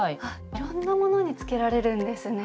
いろんなものにつけられるんですね。